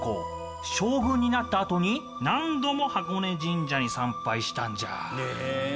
将軍になったあとに何度も箱根神社に参拝したんじゃ。